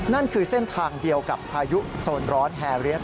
นั่นคือเส้นทางเดียวกับพายุโซนร้อนแฮเรียส